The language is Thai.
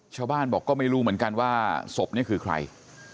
ชาวบ้านบอกก็ไม่รู้เหมือนกันว่าศพนี่คือใคร